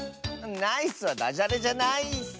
「ナイス」はダジャレじゃないッス！